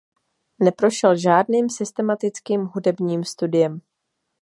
Neprošel žádným systematickým hudebním studiem.